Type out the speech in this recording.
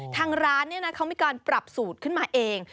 ทางร้านเขามีการปรับสูตรขึ้นมาเอง